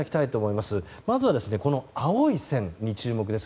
まずは、この青い線に注目です。